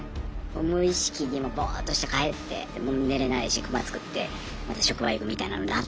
無意識にもうボーッとして帰って寝れないしくまつくってまた職場行くみたいなのになって。